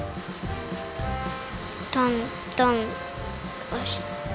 とんとんおして。